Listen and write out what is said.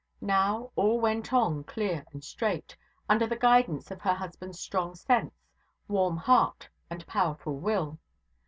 Now, all went on clear and straight, under the guidance of her husband's strong sense, warm heart, and powerful will.